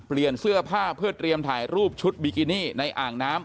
เปลี่ยนเสื้อผ้าเพื่อเตรียมถ่ายรูปชุดบิกินี่ในอ่างน้ำ